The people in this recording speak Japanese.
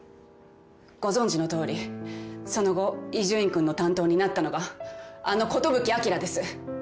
ご存じのとおりその後伊集院君の担当になったのがあの寿彰です。